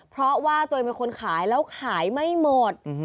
เพราะว่าตัวเองเป็นคนขายแล้วขายไม่หมด